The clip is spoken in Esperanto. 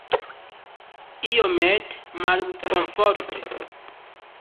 Iomete malkomforte.